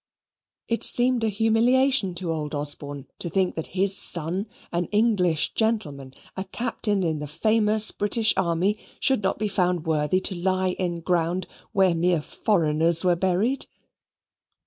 It seemed a humiliation to old Osborne to think that his son, an English gentleman, a captain in the famous British army, should not be found worthy to lie in ground where mere foreigners were buried.